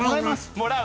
もらう。